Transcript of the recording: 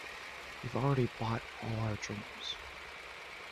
We've already bought all our dreams.